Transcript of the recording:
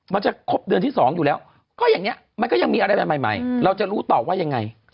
มันจะครบเดือนที่๒อยู่แล้วก็อย่างนี้มันก็ยังมีอะไรใหม่เราจะรู้ต่อว่ายังไง